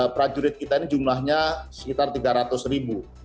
prajurit kita ini jumlahnya sekitar tiga ratus ribu